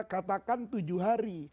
katakan tujuh hari